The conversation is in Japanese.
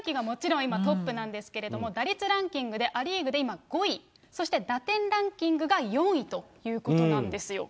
もちろん、今トップなんですけれども、打率ランキングでア・リーグで今５位、そして打点ランキングが４位ということなんですよ。